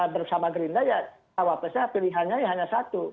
bersama gerindra ya jawab presnya pilihannya hanya satu